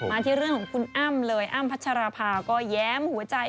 ที่เรื่องของคุณอ้ำเลยอ้ำพัชราภาก็แย้มหัวใจ